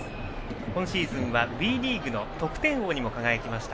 今シーズンはＷＥリーグの得点王にも輝きました。